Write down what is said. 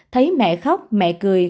thấy mẹ khóc mẹ cười